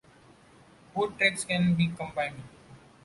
Both treks can be combined.